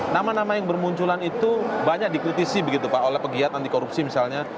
nama nama yang bermunculan itu banyak dikritisi begitu pak oleh pegiat anti korupsi misalnya